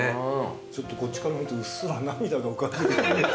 ちょっとこっちから見るとうっすら涙が浮かんでる。